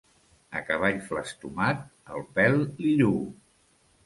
A cavall flastomat el pèl li lluu.